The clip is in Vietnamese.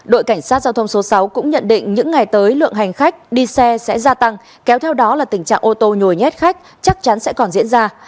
đội cảnh sát giao thông số sáu cũng nhận định những ngày tới lượng hành khách đi xe sẽ gia tăng kéo theo đó là tình trạng ô tô nhồi nhét khách chắc chắn sẽ còn diễn ra